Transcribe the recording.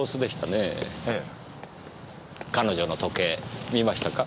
彼女の時計見ましたか？